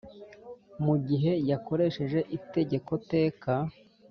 Mu gihe yakoresheje itegeko teka